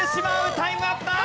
タイムアップだー！